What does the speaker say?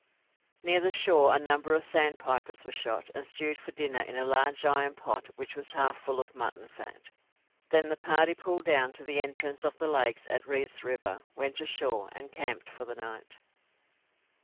Near the shore a number of sandpipers were shot, and stewed for dinner in the large iron pot which was half full of mutton fat. Then the party pulled down to the entrance of the lakes at Reeve's River, went ashore, and camped for the night.